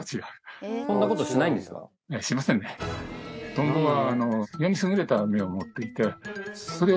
トンボは。